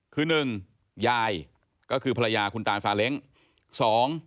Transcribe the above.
คือ๑ยายก็คือภรรยาคุณตาสาเล็ง